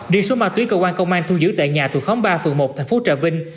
riêng số ma túy cơ quan công an thu giữ tại nhà thuộc khóm ba phường một thành phố trà vinh